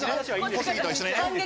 小杉と一緒にね。